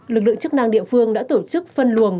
lực lượng chức năng địa phương đã tổ chức phân luồng